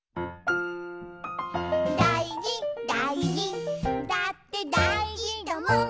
「だいじだいじだってだいじだもん」